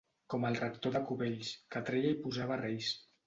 Com el rector de Cubells, que treia i posava reis.